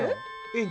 えっ？